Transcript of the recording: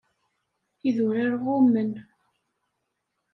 Idurar ɣummen.